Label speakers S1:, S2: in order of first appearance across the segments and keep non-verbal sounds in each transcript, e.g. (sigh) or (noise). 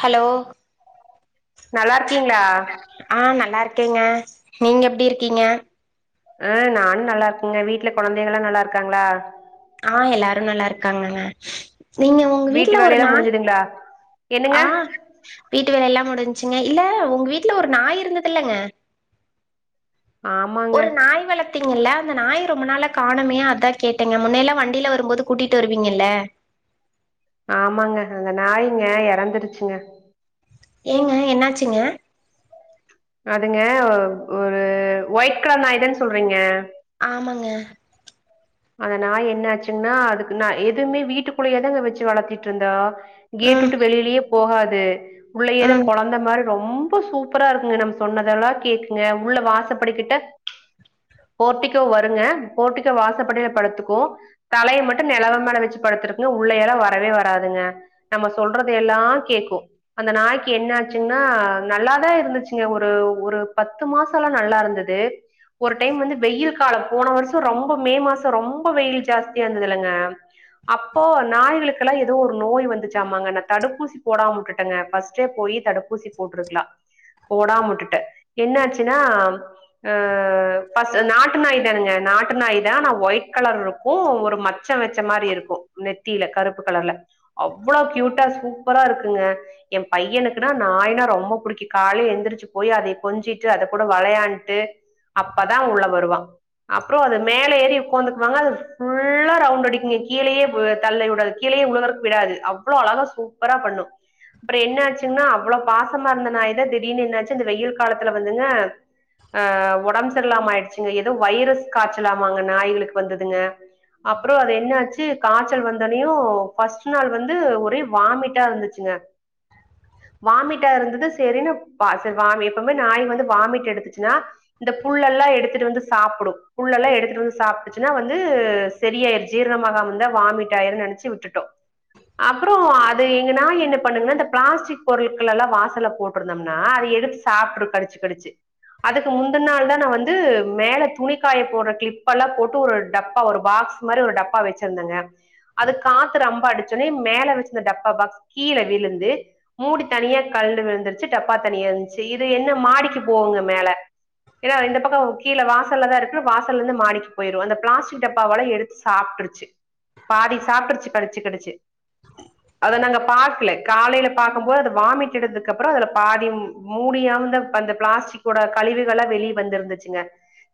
S1: hello
S2: நல்லாருக்
S1: ஆஹ் நல்லாருக் கேங்க நீங்க எப்டி இருக்கிங்க
S2: ஆ நானு நல்லா இருக்கங்க வீட்ல கொழந்தங்கல்லா நல்லாருக்காங்ளா
S1: ஆ எல்லாரு நல்லாருக்காங்கங்க நீங்க உங்க
S2: வீட்டு
S1: வீட்ல ஒரு
S2: வேலையெல்லா
S1: நாய்
S2: முடிஞ்சுதுங்களா என்னங்க
S1: வீட்டு வேல எல்லா முடிஞ்சு ச்சுங்க இல்ல உங்க வீட்ல ஒரு நாய் இருந்ததுல்லங்க
S2: ஆமாங்க
S1: ஒரு நாய் வளத்தீங்கல்ல அந்த நாய ரொம்ப நாளா காணமே அதா கேட்டங்க முன்னையல்லா வண்டில வரும்போது கூட்டிட்டு வருவீங்கல்ல
S2: ஆமாங்க அங்க நாய்ங்க எறந்துருச்சுங்க
S1: ஏங்க என்னாச்சுங்க
S2: அதுங்க ஓ ஒரு ஒயிட் கலர் நாய் தான சொல்றீங்க
S1: ஆமாங்க
S2: அந்த நாய் என்ன ஆச்சுங்னா அதுக்கு நா எதுமே வீட்டுக்குள்ளயே தாங்க வச்சு வளத்திட்ருந்தோ கேட்டு
S1: ம்
S2: வுட்டு வெளிலிலே போகாது து உள்ளயேதா
S1: ம்
S2: கொழந்த மாரி ரொம்ப சூப்பராருக்குங்க நம் சொன்னதெல்லா கேக்குங்க உள்ள வாசப்படிக்கிட்ட போட்டிக்கோ வருங்க போட்டிக்கோ வாசப்ப படில படுத்துக்கு தலைய மட்டு நிலவ மேல வச்சு படுத்துருக்குங் உள்ள எல்லா வரவே வராதுங்க நம்ம சொல்றதயெல்லா கேக்கு அந்த நாய்க்கு என்ன ஆச்சுங்னா நல்லாதா இருந்துச்சுங்க ஒரு ஒரு பத்து மாசலா நல்லா இருந்தது ஒரு டைம் வந்து வெயில் காலொ போன வருஷோ ரொம்ப மே மாசோ ரொம்ப வெயில் ஜாஸ்தியாருந்தது இல்லங்க அப்போ நாய்களுக்குல்லா ஏதோ ஒரு நோய் வந்துச்சாமாங் நா தடுப்பூசி போடாம வுட்டுட்டேங்க ஃபஸ்ட்டே போய் தடுப்பூசி போட்ருக்கலா போடாம வுட்டுட்டே என்னாச்சுனா ஆ பா நாட்டு நாய் தானுங்க நாட்டு நாய் தா ஆனா ஒயிட் (unintelligible) ருக்கு ஒரு மச்ச வச்ச மாரிருக்கு நெத்தில கருப்பு கலர்ல அவ்ளோ க்யூட்டா சூப்பராருக்குங்க என் பையனுக்குனா நாய்னா ரொம்ப புடிக்கு காலே எழுந்திரிச்சு போய் அத கொஞ்சிட்டு அத கூட வெளயான்ட்டு அப்பதா அவ உள்ள வருவா அப்ற அது மேல ஏறி உக்காந்துக்குவாங்க அது ஃபுல்லா ரவுண்டடிக்குங்க கீழே வி தள்ளி வுடாது கீழே உழக விடாது அவ்ளோ அழகா சூப்பரா பண்ணு அப்ற என்னாச்சுனா அவ்ள பாசமாருந்த நாய் தா திடீர்னு என்னாச்சுனா வெயில் காலத்துல வந்துங்க ஆ ஒடம்பு சரில்லாம ஆயிடுச்சு ஏதோ வைரஸ் காய்ச்சலாமாங்க நாய்களுக்கு வந்ததுங்க அப்ற அது என்னாச்சு காய்ச்சல் வந்தொன்யு ஃபஸ்ட் நாள் வந்து ஒரே வாமிட்டாருந்துச்சுங்க வாமிட்டாருந்தது சரினு வா சரி எப்வுமே நாய் வந்து வாமிட் எடுச்சுன்னா இந்த புல்லெல்லா எடுத்துட்டு வந்து சாப்டு புல்லெல்லா எடுத்துட்டு வந்து சாப்டிச்சி னா வந்து சரியாய் ஜீரணமாகாமந்தா வாமிட்டாயிருன்னு நெனச்சி விட்டுட்டோ அப்ற அது எங்க நா என்ன பண்ணுங்க இந்த பிளாஸ்டிக் பொருட்களெல்லா வாசல்ல போட்ருந்தம்னா அது எடுத்து சாப்டும் கடிச்சு கடிச்சு அதுக்கு முந்தின நாள் தா நா வந்து மேல துணிக்காய போட்ற க்ளிப்பெல்லா போட்டு டு ஒரு டப்பா ஒரு பாக்ஸ் மாரி ஒரு டப்பா வச்சிருந்தங்க அது காத்து ரொம்ப அடிச்சனே மேல வச்சிந்ந டப்பா பாக்ஸ் கீழ விழுந்து மூடி தனியா கழன்டு விழுந்துரூச்சு டப்பா தனியாந்துச்சு இது என்ன மாடிக்கு போங்க மேல ஏனா இந்த பக்கம் கீழ வாசல்ல தா இருக்கு வாசல்லந்து மாடிக்கு போய்டு அந்த ப்ளாஸ்டிக் டப்பாவல எடுத்து சாப்ட்ருச்சு பாதி சாப்ட்ருச்சி கடிச்சி கடிச்சி அத நாங்க பாக்கல காலைல பாக்கம் போது அத வாமிட் எடுதுக்குப்புற அதுல பாதி மூடியாமந்த அந்த பிளாஸ்டிக் ஓட கழிவுகள வெளிய வந்திருந்துச்சுங்க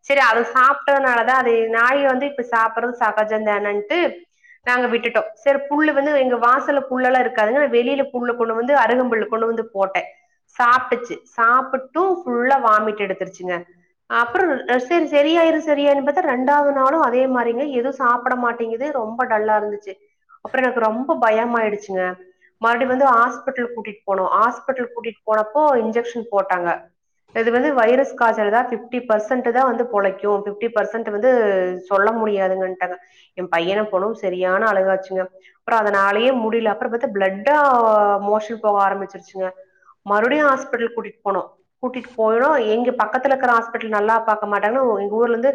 S2: சரி அத சாப்ட்டனால தா அது நாய் வந்து இப்டி சாப்டுறது சகஜம் தானட்டு நாங்க விட்டுட்டோ சரி புல்லு வந்து எங்க வாசல்ல புல்லெல்லா இருக்காதுங்க வெளில புல்லு கொண்டு வந்து அருகம் புல் கொண்டு வந்து போட்டே சாப்டுச்சு சாப்புட்டு ஃபுல்லா வாமிட் எடுத்துருச்சுங்க அப்ற (unintelligible) சரி சரியாய்டு சரியாய்டும்னு பாத்தா ரெண்டாவது நாளு அதே மாரிங்க எது சாப்ட மாட்டேங்குது ரொம்ப டல்லாருந்துச்சு அப்ற எனக்கு ரொம்ப பயமாயிடுச்சுங்க மறுபடி வந்து ஹாஸ்பிடல் கூட்டிட்டு போனோ ஹாஸ்பட்டல் கூட்டிட்டு போனப்போ இன்ஜெக்ஷன் போட்டாங்க இது வந்து வைரஸ் காய்சல் தா ஃபிப்டி பர்சன்ட்டு தா வந்து பொழைக்கு ஃபிப்டி பர்சன்ட் வந்து சொல்ல முடியாதுங்கனுட்டாங்க என் பையனு பொண்ணு சரியான அழகாச்சுங்க அப்ற அதனாலயே முடில அப்ற பத்தா பிளட்டா மோஷன் போக ஆரம்பிச்சிருச்சுங்க மறுபடியு ஆஸ்பிட்டலுக்கு கூட்டிட் போனோ கூட்டிட்டு போனோ எங்க பக்கத்துல இருக்குற ஹாஸ்பிட்டல் நல்லா பாக்க மாட்டாங்கனு எங்க ஊர்லந்து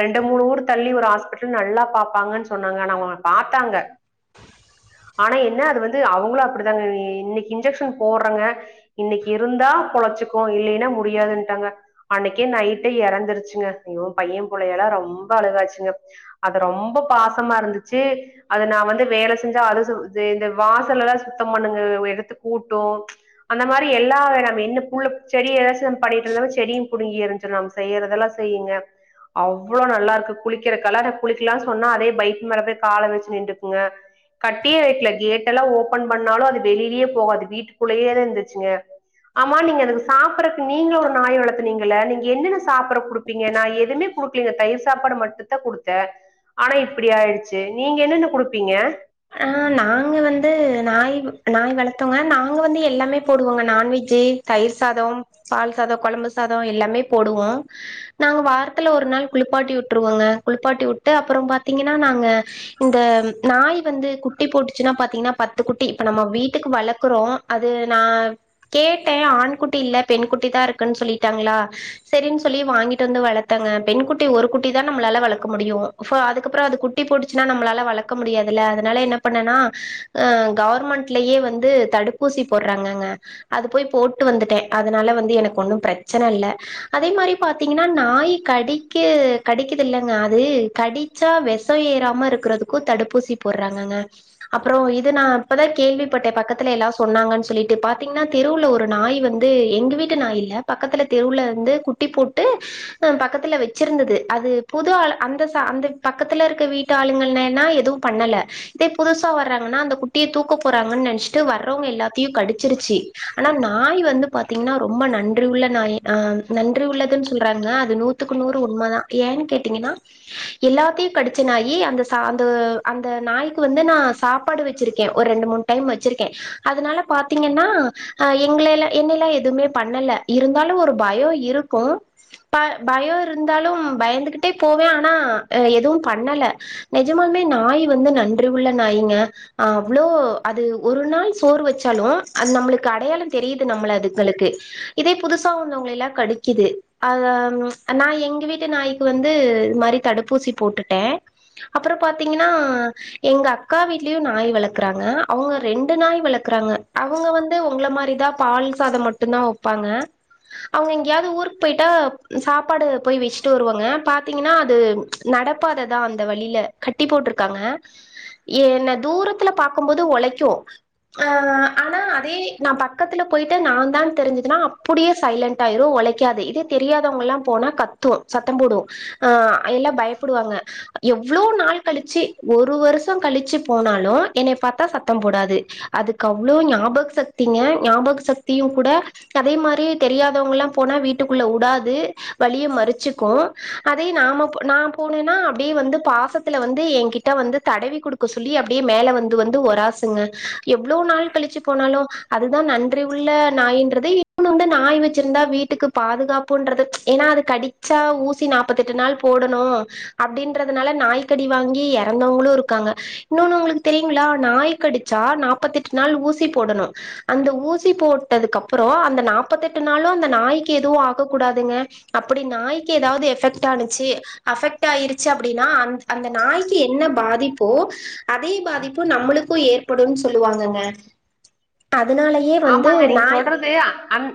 S2: ரெண்டு மூணு ஊர் தள்ளி ஒரு ஹாஸ்பிட்டல் நல்லா பாப்பாங்கன்னு சொன்னாங்க ஆனா அவங்க பாத்தாங்க ஆனா என்ன அது வந்து அவங்களு அப்டிதாங்க இன்னைக்கு இன்ஜெக்ஷன் போட்றங்க இன்னைக்கு இருந்தா பொழைச்சுக்கு இல்லைன்னா முடியாதுன்ட்டாங்க அன்னைக்கே நைட்டே எறந்துருச்சுங்க அய்யோ பையன் (unintelligible) எல்லா ரொம்ப அழகாச்சுங்க அது ரொம்ப பாசமாருந்துச்சு அது நா வந்து வேல செஞ்சா அது இந்த வாசல்லெல்லா சுத்தம் பண்ணுங்க எடுத்து கூட்டு அந்த மாரி எல்லா வே ந என்ன புல்ல செடி ஏதாச்சு பண்ணிட்ருந்த செடியு புடுங்கி எருதுச்ச நம்ம செய்யறதெல்லா செய்யுங்க அவ்ளோ நல்லாருக்கு குளிக்கறக்கெல்லா குளிக்கலான் சொன்னா அதே பைக்கு மேல போய் கால வச்சு நின்றுக்குங்க கட்டியே வைக்கல கேட்டெல்லா ஓப்பன் பண்ணாலு அது வெளிலிலே போகாது வீட்டுக்குள்ளயே தாருந்துச்சுங்க ஆமா நீங்க அதுக்கு சாப்பட்றக்கு நீங்க ஒரு நாய வளத்துனீங்கல நீங்க என்னென்ன சாப்பட்ற குடுப்பீங்க நா எதுமே குடுக்கலைங்க தயிர் சாப்பாடு மட்டும்தா குடுத்தே ஆனா இப்டி ஆயிடுச்சு நீங்க என்னென்ன குடுப்பீங்க
S1: ஆ நாங்க வந்து நாய் நாய் வள தோங்க நாங்க வந்து எல்லாமே போடுவோங்க நான்வெஜ்ஜி தயிர் சாதொ பால் சாதொ கொழம்பு சாதொ எல்லாமே போடுவோ நாங்க வாரத்துல ஒரு நாள் குளிப்பாட்டி வுட்டுருவோங்க குளிப்பாட்டி வுட்டு அப்ற பாத்தீங்கனா நாங்க இந்த நாய் வந்து குட்டி போட்டுச்சுன்னா பாத்தீங்கனா பத்து குட்டி இப்ப நம்ம வீட்டுக்கு வளக்குறோ அது நா கேட்டே ஆண்குட்டி இல்ல பெண் குட்டி தா இருக்குன் சொல்லிட்டாங்ளா சரின்னு சொல்லி வாங்கிட்டு வந்து வளத்தேங்க பெண் குட்டி ஒரு குட்டி தா நம்ளால வளக்க முடியு ஃப அதுக்கப்ற அது குட்டி போட்டுச்சுன்னா நம்ளால வளக்க முடியாது ல அதனால என்ன பண்ணனா ஆ கவர்மெண்ட்லயே வந்து தடுப்பூசி போட்றாங்கங்க அது போய் போட்டு வந்துட்டே அதனால வந்து எனக்கு ஒன்னும் பிரச்சனல்ல அதே மாரி பாத்தீங்னா நாய் கடிக்க கடிக்குது இல்லங்க அது கடிச்சா வேஷ ஏறாம இருக்கறதுக்கும் தடுப்பூசி ங்க அப்ற இது நா இப்பதா கேள்விப்பட்டே பக்கத்துல எல்லா சொன்னாங்கன் சொல்லிட்டு பாத்தீங்னா தெருவுல ஒரு நாய் வந்து எங்க வீட்டு நாய் இல்ல பக்கத்துல தெருவுல வந்து குட்டி போட்டு ஆ பக்கத்துல வச்சிருந்துது அது புது ஆ அந்த அந்த பக்கத்துல இருக்க வீட்டு ஆளுங்க இல்லனா பண்ணல இதே புதுசா வர்றாங்கனா அந்த குட்டிய தூக்க போறாங்கன்னு நெனைச்சிட்டு வர்றவங்க எல்லாத்தையு கடிச்சிருச்சு ஆனா நாய் வந்து பாத்தீங்னா ரொம்ப நன்றி உள்ள நாயி ஆ நன்றி உள்ளதுன்னு சொல்றாங்க அது நூத்துக்கு நூறு உண்மதா ஏன் கேட்டீங்கனா எல்லாத்துயு கடிச்ச நாயி அந்த ச அந்த அந்த நாய்க்கு வந்து நா சாப்பாடு வச்சிருக்கே ஒரு ரெண்டு மூணு டைம் வச்சிருக்கே அதனால பாத்தீங்கனா ஆ எங்கள எல்லா என்னல்லா எதுமே பண்ணல இருந்தாலு ஒரு பயோ இருக்கு ப பயோ இருந்தாலு பயந்துகிட்டே போவே ஆனா எது பண்ணல நெஜமாலுமே நாய் வந்து நன்றி உள்ள நாய்ங்க அவ்ளோ அது ஒரு நாள் சோறு வச்சாலு அது நம்ளுக்கு அடையாள தெரியுது நம்ம அதுங்களுக்கு இதே புதுசா வந்தவங்க எல்லா கடிக்குது அது நா எங்க வீட்டு நாய்க்கு வந்து இ மாரி தடுப்பூசி போட்டுட்டே அப்ற பாத்தீங்கன்னா எங்க அக்கா வீட்லயு நாய் வளக்கறாங்க அவுங்க ரெண்டு நாய் வளக்கறாங்க அவுங்க வந்து உங்கள மாரிதா பால் சாத மட்டு தா வெப்பாங்க அவுங்க எங்கேயாது ஊருக்கு போயிட்டா சாப்பாடு போய் வெச்சுட்டு வருவாங்க பாத்தீங்கன்னா அது நடப்பாததா அந்த வழியில கட்டி போட்டிருக்காங்க ஏ என்ன தூரத்துல பாக்கும்போது ஒளைக்கு ஆ ஆனா அதே நா பக்கத்துல போயிட்டு நா தா தெரிஞ்சுதுன்னா அப்புடியே சைலண்ட்டா ஆயிரு ஒளைக்காது இதே தெரியாதவங்களா போனா கத்து சத்த போடு ஆ எல்லா பயப்படுவாங்க எவ்ளோ நாய் கழிச்சி ஒரு வருஷோ கழிச்சி போனாலு என்னைய பாத்தா சத்த போடாது அதுக்க அவ்ளோ ஞாபக சக்திங்க ஞாபக சக்தியு கூட அதே மாரி தெரியாதவங்க எல்லா போனா வீட்டுக்குள்ள உடாது வழிய மறிச்சுக்கு அதே நாம போ நா போனேன்னா அப்படியே வந்து பாசத் த்துல வந்து என்கிட்ட வந்து தடவி குடுக்க சொல்லி அப்படியே மேல வந்து வந்து ஒராசுங்க எவ்ளோ நாள் கழிச்சு போனாலு அதுதா நன்றி உள்ள நாய்ன்றது இன்னொ உன்டு நாய் வச்சிருந்தா வீட்டுக்கு பாதுகாப்புன்றது ஏனா அது கடிச்சா ஊசி சி நாப்பத்தெட்டு நாள் போடணு அப்படின்றதுனால நாய் கடி வாங்கி எறந்தவங்களு இருக்காங்க இன்னொன்னு உங்களுக்கு தெரியுங்களா நாய் கடிச்சா நாப்பத்தி எட்டு நாள் ஊசி போடணு அந்த ஊசி போட்டதுக்கு அப்புறோ அந்த நாப்பத்தி எட்டு நாளு அந்த நாய்க்கு எதுவு ஆகக்கூடாதுங்க அப்படி நாய்க்கு ஏதவது எஃபெக்ட் ஆனுச்சி அஃபெக்ட் ஆயிருச்சி அப்படின்னா அந்த அந்த நாய்க்கு என்ன பாதிப்போ அதே பாதிப்பு நம்மளுக்கு ஏற்படுனு சொல்லு வாங்கங்க
S2: ஆமாங்க நீங்க சொல்றது அந்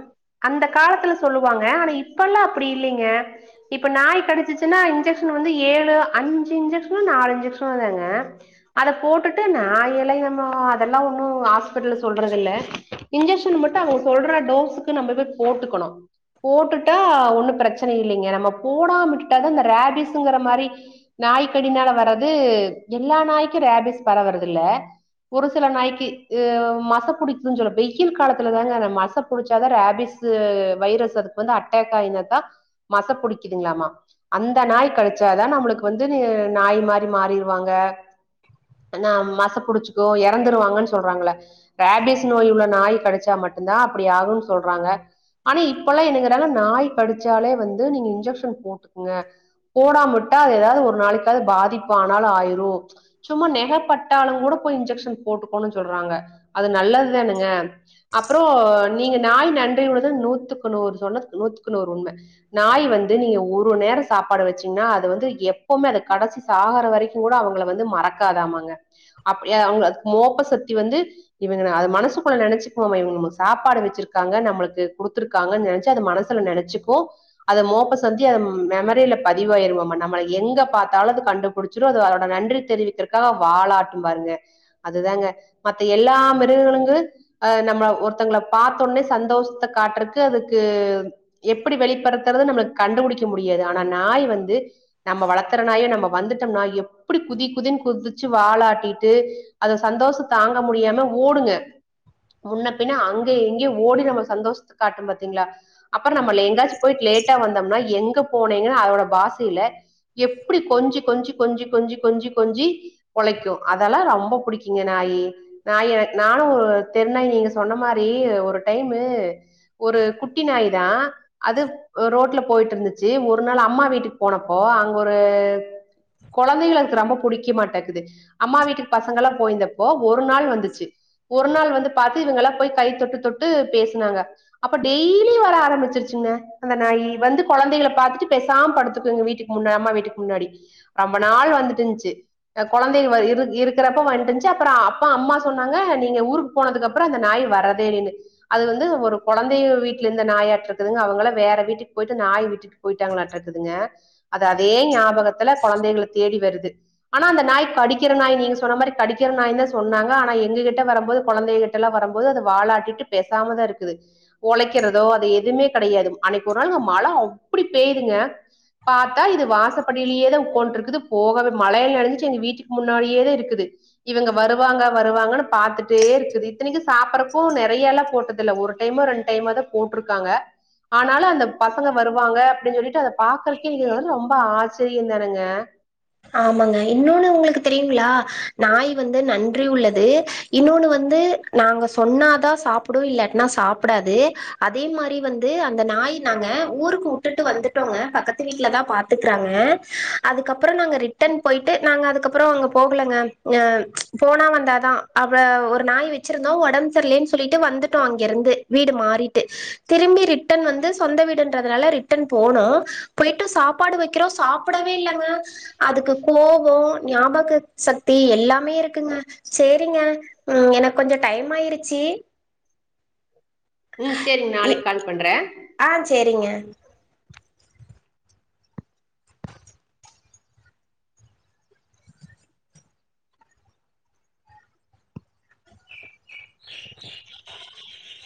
S2: அந்த காலத்துல சொல்லு லுவாங்க ஆனா இப்பல்லா அப்படி இல்லங்க இப்ப நாய் கடிச்சிச்சுன்னா இன்ஜெக்ஷன் வந்து ஏழு அஞ்சு இன்ஜெக்ஷனோ நாலு இன்ஜெக்ஷனோ தாங்க அத போட்டுட்டு நா எல்வா எம்மா அதெல்லா ஒன்னு ஹாஸ்பிட்டல்ல சொல்றது இல்ல இன்ஜெக்ஷன் மட்டு அவுங்க சொல்ற டோஸுக்கு நம்ம போய் போட்டுக்கணு போட்டுட்டா ஒன்னு பிரச்சன இல்லைங்க நம்ம போடாம விட்டுட்டா தா அந்த ரேபீஸ்ங்கற மாரி நாய்க்கடினால வர்றது எல்லா நாய்க்கு ரேபிஸ் பரவவுறது இல்ல ஒரு சில நாய்க்கு இ மச புடி சொல்ல வெயில் காலத்துலதாங்க அந்த மச புடிச்சாதா ரேபிஸ் வைரஸ் அதுக்கு வந்து அட்டாக் ஆயிருந்தா தா மச புடிக்குதுங்களாமா அந்த நாய் கடிச்சாதா நம்மளுக்கு வந்து நாய் மாரி மாறிர்வாங்க ஆ மச புடிச்சுக்கு எறந்துருவாங்கன் சொல்றாங்கள ரேபிஸ் நோய் உள்ள நாய் கடிச்சா மட்டுதா அப்படி ஆகுன் சொல்றாங்க ஆனா இப்பல்லா என்ன கேட்டாலு நாய் கடிச்சாலே வந்து நீங்க இன்ஜெக்ஷன் போட்டுக்குங்க போடாம விட்டா அது ஏதாவது ஒரு நாளைக்காவது பாதிப்பு ஆனாலு ஆயிரு சும்மா நெக பட்டாலு கூட போய் இன்ஜெக்ஷன் போட்டுக்கோனு சொல்றாங்க அது நல்லது தானங்க அப்புறோ நீங்க நாய் நன்றி உள்ளதுனு நூத்துக்கு நூறு சொன்னது நூத்துக்கு நூறு உண்ம நாய் வந்து நீங்க ஒரு நேரோ சாப்பாடு வச்சீங்கன்னா அது வந்து எப்பவுமே அத கடசி சாகற வரைக்கு கூட அவங்கள வந்து மறக்காதாமங்க அப்ப எ அவுங்க அது மோப்ப சக்தி வந்து இவங்க அது மனசு மனசக்குள்ள நெனச்சுக்குமாமா இவுங்க நமக்கு சாப்பாடு வச்சிருக்காங்க நம்மளுக்கு குடுத்துருக்காங்கன்னு நெனச்சு அது மனசுல நெனச்சுக்கு அத மோப்ப சக்தி அத மெமரியில பதிவாயிருமமா நம்மள எங்க பாத்தாலு அது கண்டுபுடிச்சிரு அது அதோட நன்றி தெரிவிக்கற்கா வாளாட்டு பாருங்க அதுதாங்க மத்த எல்லா மிருகங்களுங்க அ நம்ம ஒருத்தவங்கள பாத்த ஒனே சந்தோஷத்த காட்டுறதுக்கு அதுக்கு எப்படி வெளிப்படுத்துறது நம்மளுக்கு கண்டுபுடிக்க முடியாது ஆனா நாய் வந்து நம்ம வளக்குற நாயு நம்ம வந்துட்டம்னா எப்படி குதி குதின்னு குதிச்சு வாலாட்டிட்டு அது சந்தோஷ தாங்க முடியாம ஓடுங்க முன்ன பின்ன அங்க இங்க ஓடி நம்ம சந்தோஷத்த காட்டு பாத்தீங்களா அது நம்மள எங்காச்சு போயிட்டு லேட்டா வந்து டம்னா எங்க போனீங்க அதோட பாஷையில எப்படி கொஞ்சி கொஞ்சி கொஞ்சி கொஞ்சி கொஞ்சி கொஞ்சி ஒளைக்கு அதெல்லா ரொம்ப புடிக்குங்க நாயி நாய நானு தெருநாய் நீங்க சொன்ன மாரி ஒரு டைமு ஒரு குட்டி நாய் தா அது ரோட்ல போயிட்டு இருந்துச்சி ஒரு நாள் அம்மா வீட்டுக்கு போனப்போ அங்க ஒரு கொழந்தைகளுக்கு ரொம்ப புடிக்க மாட்டேக்கது அம்மா வீட்டுக்கு பசங்க எல்லா போயிருந்தப்போ ஒரு நாள் வந்துச்சி ஒரு நாள் வந்து இது பாத்து இவுங்கலா போயி கை தொட்டு தொட்டு பேசுனாங்க அப்ப டெய்லி வர ஆரம்பிச்சிருச்சுங்க அந்த நாயி வந்து கொழந்தைகள பாத்துட்டு பேசாம படுத்துகுங்க வீட்டுக்கு முன்ன அம்மா வீட்டுக்கு முன்னாடி ரொம்ப நாள் வந்துந்துட்டு இருன்சு அ கொழந்தை வ இரு இருக்கிறப்ப வன்டிருஞ்சி அப்ப அம்மா சொன்னாங்க நீங்க ஊரு போனதுக்கு அப்புறோ அந்த நாய் வரதே இல்ல அது வந்து ஒரு கொழந்தைங்க வீட்டுல இருந்த நாயாட்ட இருக்குதுங்க அவங்கள வேற வீட்டுக்கு போயிட்டு நாய் விட்டுட்டு போயிட்டாங்களாட்டு இருக்குதுங்க அது அதே ஞாபகத்துல கொழந்தைகள தேடி வருது ஆனா அந்த நாய் கடிக்கிற நாய் நீங்க சொன்ன மாரி கடிக்கிற நாய் தா சொன்னாங்க ஆனா எங்ககிட்ட வரும்போது கொழந்தைகிட்ட எல்லா வரும்போது அது வாலாட்டிட்டு பேசாமதா இருக்குது கொலைக்கிறதோ அது எதுவுமே கெடையாது அன்னைக்கு ஒரு நாளுங்க மழ அப்படி பெய்யுதுங்க பாத்தா இது வாசப் படியிலேயே தா உக்கான்டு இருக்குது போகவே மழையில நெனைஞ்சுச்சு எங்க வீட்டுக்கு முன்னாடியே தா இருக்குது இவுங்க வருவாங்க வருவாங்கனு பாத்துட்டு கேக்குது இத்தனைக்கு சாப்பறப்ப நெறைய எல்லா போட்டது இல்ல ஒரு டைம் ரெண்டு டைமா தா போட்டிருக்காங்க ஆனாலு அந்த பசங்க வருவாங்க அப்படின் சொல்லிட்டு பாக்குறக்கே இது வந்து ரொம்ப ஆச ஆச்சரிய தருங்க
S1: ஆமாங்க இன்னொன்னு உங்களுக்கு தெரியுங்களா நாய் வந்து நன்றி உள்ளது இன்னொன்னு வந்து நாங்க சொன்னாதா சாப்டு இல்லன்னா சாப்டாது அதே மாரி வந்து அந்த நாய் நாங்க ஊருக்கு வுட்டுட்டு வந்துட்டோங்க பக்கத்து வீட்டுலதா பாத்துக்கறாங்க அதுக்கப்புறோ அப்புறோ நாங்க ரிட்டன் போயிட்டு நாங்க அதுக்கப்புறோ அங்க போகலங்க அஹ் ப்ச் போனா வந்தாதா அவ ஒரு நாய் வெச்சிருந்தோ ஒடம்பு சரியலனு சொல்லிட்டு வந்துட்டோ அங்கிருந்து வீடு மாறிட்டு திரும்பி ரிட்டன் வந்து சொந்த வீடுன்றதுனால ரிட்டன் போனோ போயிட்டு சாப்பாடு வெக்கிறோ சாப்பிடவே இல்லங்க அதுக்கு கோபோ ஞாபக சக்தி எல்லாமே இருக்குங்க சேரிங்க ம் எனக்கு கொஞ்ச டைம் ஆயிருச்சு
S2: ம் செரி
S1: இ
S2: நாளைக் கால் பண்ற
S1: ஆ சேரிங்க (inaudible)